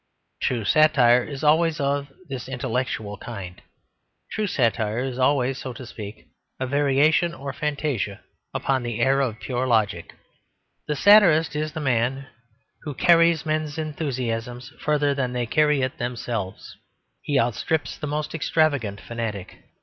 True satire is always of this intellectual kind; true satire is always, so to speak, a variation or fantasia upon the air of pure logic. The satirist is the man who carries men's enthusiasm further than they carry it themselves. He outstrips the most extravagant fanatic.